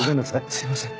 すいません。